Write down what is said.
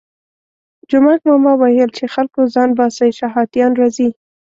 جومک ماما ویل چې خلکو ځان باسئ شهادیان راځي.